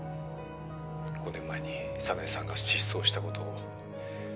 「５年前に早苗さんが失踪した事を」